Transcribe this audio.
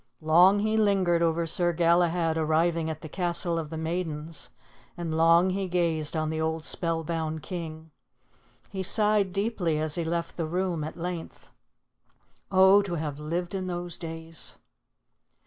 Long he lingered over Sir Galahad arriving at the Castle of the Maidens, and long he gazed on the old spellbound king. He sighed deeply as he left the room at length. Oh, to have lived in those days!